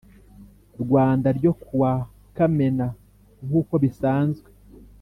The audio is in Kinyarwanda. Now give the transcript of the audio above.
Rwanda ryo ku wa Kamena nk uko bisanzwe